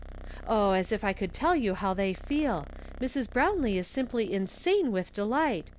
" Oh, as if I could tell you how they feel ! Mi's. Browiilee is sinqjly insane with delight.